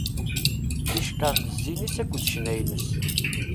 Icekkeṛ-d zzin-is akked ccna-ines.